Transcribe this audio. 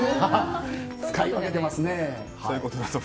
使い分けてますね。